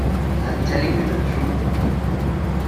I am telling you the truth.